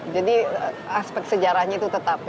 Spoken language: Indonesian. jadi aspek sejarahnya itu tetap ya